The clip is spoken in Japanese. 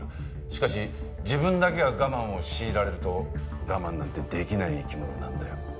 しかし自分だけが我慢を強いられると我慢なんてできない生き物なんだよ。